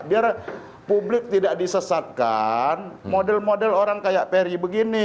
biar publik tidak disesatkan model model orang kayak peri begini